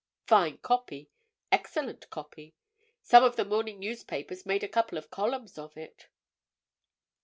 Fine copy, excellent copy: some of the morning newspapers made a couple of columns of it.